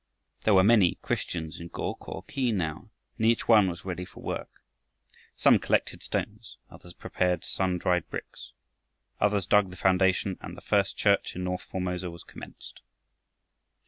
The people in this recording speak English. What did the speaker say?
There were many Christians in Go ko khi now, and each one was ready for work. Some collected stones, others prepared sun dried bricks, others dug the foundation, and the first church in north Formosa was commenced.